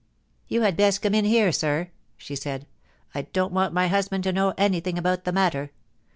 * You had best come in here, sir,' she said ;* I don't want my husband to know anything about the matter.